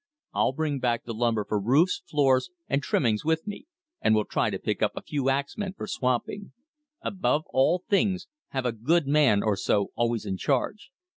I'll bring back the lumber for roofs, floors, and trimmings with me, and will try to pick up a few axmen for swamping. Above all things, have a good man or so always in charge.